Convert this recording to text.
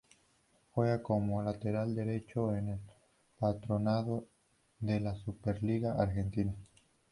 Juega como lateral derecho en Patronato de la Superliga Argentina.